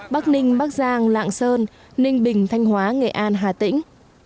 bắc ninh bắc giang lạng sơn ninh bình thanh hóa nghệ an hà tĩnh